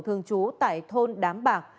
thường trú tại thôn đám bạc